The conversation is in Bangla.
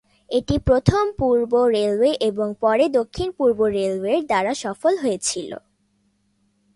এটি প্রথম পূর্ব রেলওয়ে এবং পরে দক্ষিণ পূর্ব রেলওয়ের দ্বারা সফল হয়েছিল।